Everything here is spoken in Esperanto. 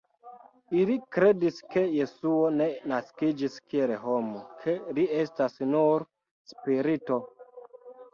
Ili kredis, ke Jesuo ne naskiĝis kiel homo, ke li estas nur spirito.